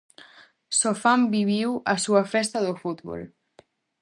Sofán viviu a súa festa do fútbol.